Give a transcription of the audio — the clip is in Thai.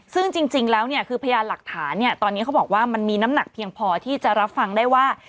ซึ่งจริงแล้วเนี่ยคือพยานหลักฐานเนี่ยตอนนี้เขาบอกว่ามันมีน้ำหนักเพียงพอที่จะรับฟังได้ว่า